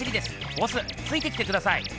ボスついてきてください！